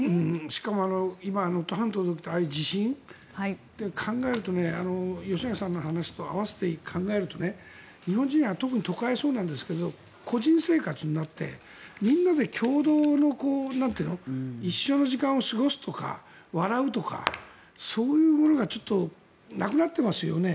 しかも今能登半島で起きたああいう地震吉永さんの話と合わせて考えると日本人は特に都会はそうなんですが個人生活になってみんなで共同の一緒の時間を過ごすとか笑うとか、そういうものがちょっとなくなってますよね。